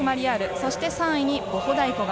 そして３位にボホダイコ。